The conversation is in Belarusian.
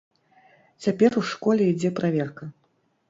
Цяпер ў школе ідзе праверка.